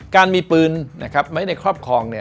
การมีปืนไว้ในครอบครอง